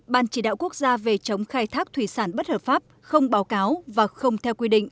ban chỉ đạo quốc gia về chống khai thác thủy sản bất hợp pháp không báo cáo và không theo quy định